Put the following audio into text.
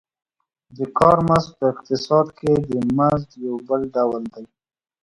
د کار مزد په اقتصاد کې د مزد یو بل ډول دی